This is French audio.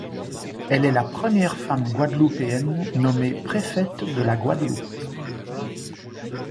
Elle est la première femme guadeloupéenne nommée préfète de la Guadeloupe.